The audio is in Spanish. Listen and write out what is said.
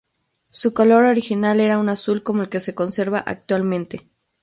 Su color original era un azul como el que se conserva actualmente.